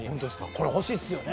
これ欲しいですよね。